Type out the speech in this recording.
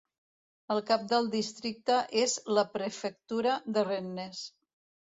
El cap del districte és la prefectura de Rennes.